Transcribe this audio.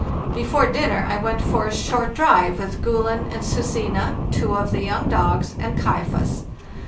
Before dinner I went for a short drive with 'Gulen' and 'Susine' (two of the young dogs) and ' Kaifas.